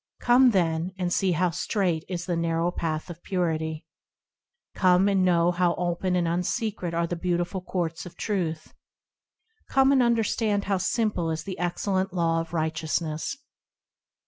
Come, then, and see how straight is the narrow Path of Purity ! Come and know how open and unsecret are the beautiful Courts of Truth ! Come and understand how simple is the excellent Law of Righeteousness!